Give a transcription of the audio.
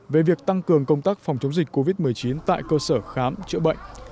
về việc tăng cường công tác phòng chống dịch covid một mươi chín tại cơ sở khám chữa bệnh